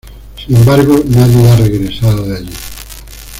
Sin embargo, nadie ha regresado de allí.